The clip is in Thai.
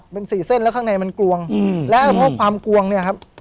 เป็นสี่เส้นแล้วข้างในมันกลวงแล้วเพราะความกวงเนี่ยครับ